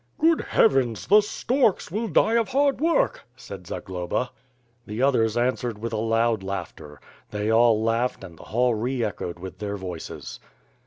"Good heavens! the storks will die of hard work/' said Zagloba. The others answered with a loud laughter. They all laughed and the hall reechoed with their voices.